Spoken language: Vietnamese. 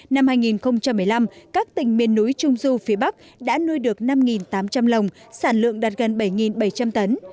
năm hai nghìn một mươi năm các tỉnh miền núi trung du phía bắc đã nuôi được năm tám trăm linh lồng sản lượng đạt gần bảy bảy trăm linh tấn